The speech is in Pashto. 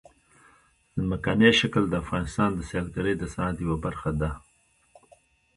ځمکنی شکل د افغانستان د سیلګرۍ د صنعت یوه برخه ده.